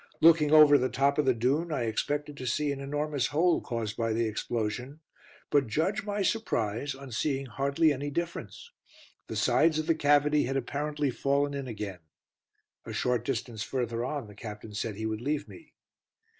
Looking over the top of the dune, I expected to see an enormous hole, caused by the explosion, but judge my surprise on seeing hardly any difference. The sides of the cavity had apparently fallen in again. A short distance further on the Captain said he would leave me.